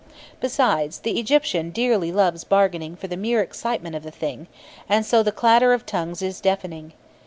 Besides, the Egyptian dearly loves bargaining for the mere excitement of the thing, and so the clatter of tongues is deafening.